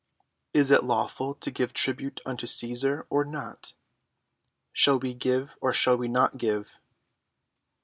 Is it lawful to give tribute unto Cæsar, or not? Shall we give, or shall we not give?"